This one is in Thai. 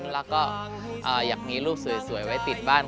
แล้วก็อยากมีรูปสวยไว้ติดบ้าน